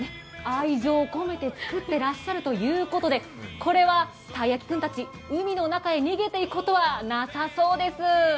愛情込めて作っているということでこれはたい焼き君たち、海の中へ逃げていくことはなさそうです。